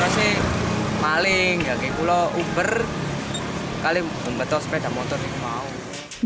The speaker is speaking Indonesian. nopo sih maling nopo uber kali nopo sepeda motor di kepanjen kabupaten malang